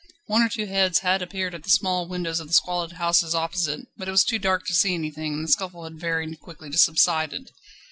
One or two heads had appeared at the small windows of the squalid houses opposite, but it was too dark to see anything, and the scuffle had very quickly subsided.